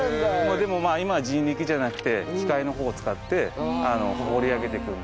でもまあ今は人力じゃなくて機械の方を使って掘り上げていくんで。